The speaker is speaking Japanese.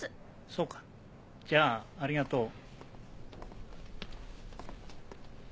そうかじゃあありがとう。